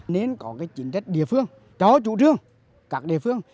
nên có cái chính trách địa phương cho chủ trương các địa phương